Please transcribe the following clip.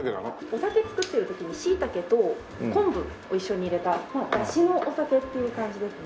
お酒造ってる時にしいたけと昆布を一緒に入れたダシのお酒っていう感じですね。